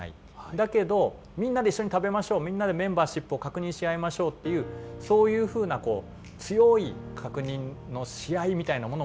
だけどみんなで一緒に食べましょうみんなでメンバーシップを確認し合いましょうっていうそういうふうなこう強い確認のし合いみたいなものもない。